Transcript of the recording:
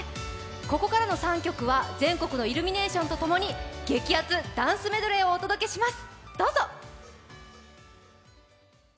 ここからの３曲は全国のイルミネーションとともに激アツダンスメドレーをお届けします。